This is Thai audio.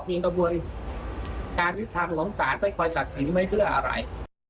ขอบคุณกับว่าการพิจารณ์หลวงศาลไม่ค่อยจัดถือไม่เพื่ออะไร